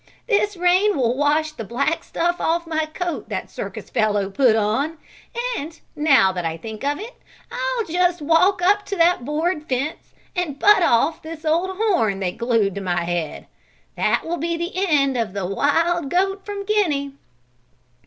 This rain will wash the black stuff off my coat that circus fellow put on; and now I think of it, I'll just walk up to that board fence and butt off this old horn that they glued to my head: that will be the end of the Wild Goat from Guinea."